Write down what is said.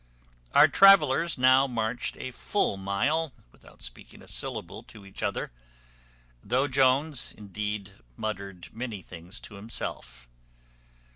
Our travellers now marched a full mile, without speaking a syllable to each other, though Jones, indeed, muttered many things to himself.